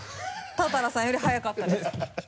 多々良さんより早かったです。